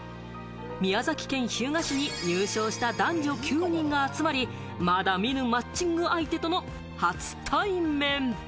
宮崎県日向市に入賞した男女９人が集まり、まだ見ぬマッチング相手との初対面。